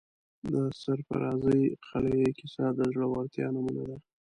د سرافرازۍ قلعې کیسه د زړه ورتیا نمونه ده.